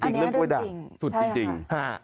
อันนี้เรื่องจริงสุดจริงจริง